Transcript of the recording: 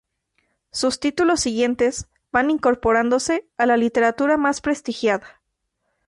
Sus títulos siguientes van incorporándose a la literatura más prestigiada.